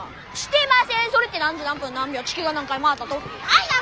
それって何時何分何秒地球が何回回った時？